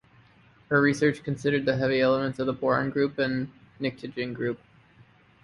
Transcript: Her research considered the heavy elements of the Boron group and Pnictogen group.